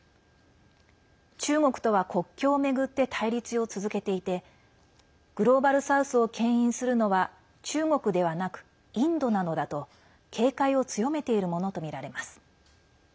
中国とは国境を巡って対立を続けていてグローバル・サウスをけん引するのは中国ではなくインドなのだと警戒を強めているものとみられます。